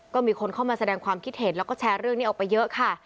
ก็มีคนเข้ามาแสดงความคิดเห็นแล้วก็แชร์เรื่องนี้ออกไปเยอะค่ะ